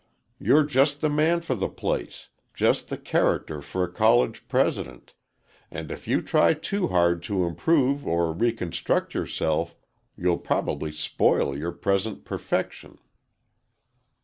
You're just the man for the place, just the character for a College President, and if you try too hard to improve or reconstruct yourself, you'll probably spoil your present perfection."